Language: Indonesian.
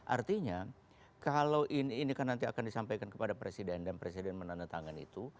artinya kalau ini kan nanti akan disampaikan kepada presiden dan presiden menandatangan itu